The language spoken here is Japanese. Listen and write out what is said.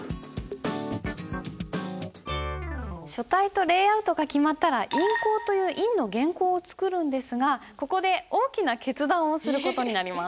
書体とレイアウトが決まったら印稿という印の原稿を作るんですがここで大きな決断をする事になります。